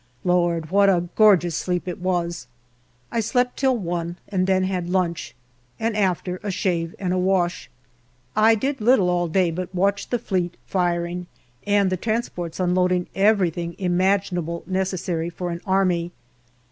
Lord, what a gorgeous sleep it was ! I slept till one, and then had lunch, and after, a shave and a wash. I did little all day but watch the Fleet firing and the transports unloading everything imaginable necessary for an army.